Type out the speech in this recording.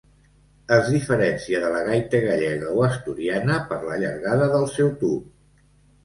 Es diferencia de la gaita gallega o asturiana per a llargada del seu tub.